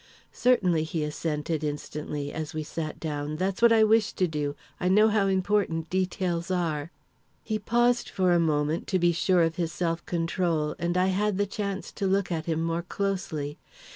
"Certainly," he assented instantly, as we sat down. "That's what I wish to do I know how important details are." He paused for a moment, to be sure of his self control, and I had the chance to look at him more closely.